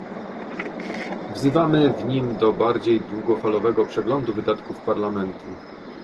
Wzywamy w nim do bardziej długofalowego przeglądu wydatków Parlamentu